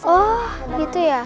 oh gitu ya